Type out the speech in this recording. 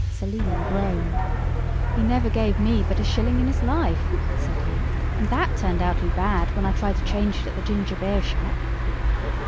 Selim groaned. "He never gave me but a shilling in his life," said he, "and that turned out to be bad when I tried to change it at the ginger beer shop."